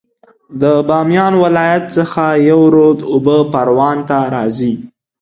د بامیان ولایت څخه یو رود اوبه پروان ته راځي